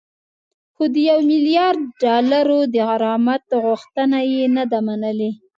خو د یو میلیارد ډالرو د غرامت غوښتنه یې نه ده منلې